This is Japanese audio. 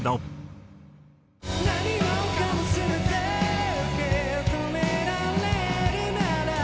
「何もかも全て受止められるなら」